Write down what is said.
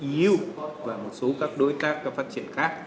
của eu và một số các đối tác các phát triển khác